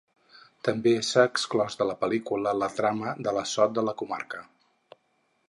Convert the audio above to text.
També s'ha exclòs de la pel·lícula la trama de l'Assot de la Comarca.